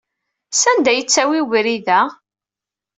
Sanda ay yettawey webrid-a?